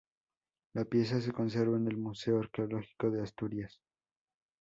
La pieza se conserva en el museo arqueológico de Asturias.